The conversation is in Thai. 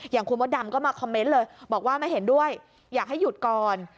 อย่างคุณมดดำก็มาคอมเมนต์เลยบอกว่าไม่เห็นด้วยอยากให้หยุดก่อน